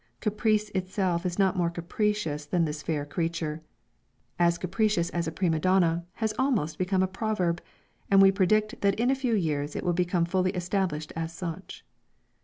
Caprice itself is not more capricious than this fair creature. As capricious as a prima donna has almost become a proverb, and we predict that in a few years it will become fully established as such.